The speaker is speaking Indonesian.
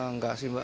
enggak sih mbak